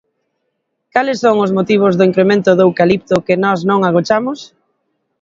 ¿Cales son os motivos do incremento do eucalipto, que nós non agochamos?